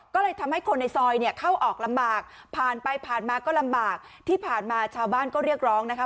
ก็เลยทำให้คนในซอยเนี่ยเข้าออกลำบากผ่านไปผ่านมาก็ลำบากที่ผ่านมาชาวบ้านก็เรียกร้องนะคะ